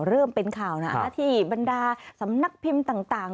เริ่มเป็นข่าวนะที่บรรดาสำนักพิมพ์ต่าง